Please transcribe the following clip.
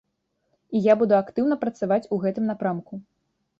І я буду актыўна працаваць у гэтым напрамку.